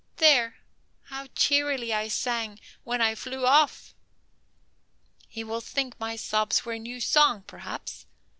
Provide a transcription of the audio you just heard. There! how cheerily I sang when I flew off! He will think my sobs were a new song, perhaps.